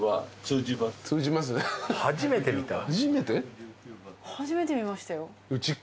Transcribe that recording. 初めて見ましたよ。